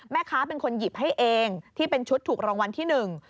แม่ค้าเป็นคนหยิบให้เองที่เป็นชุดถูกรางวัลที่หนึ่ง